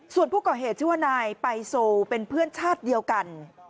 ส่วนผู้ก่อเหตุชื่อว่านายไปโซเป็นเพื่อนชาติเดียวกัน